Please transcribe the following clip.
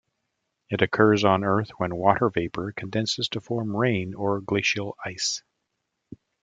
It occurs on Earth when water vapor condenses to form rain or glacial ice.